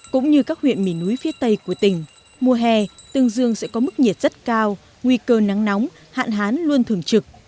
cũng như các huyện miền núi phía tây của tỉnh mùa hè tương dương sẽ có mức nhiệt rất cao nguy cơ nắng nóng hạn hán luôn thường trực